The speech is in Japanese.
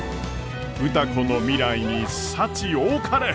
歌子の未来に幸多かれ！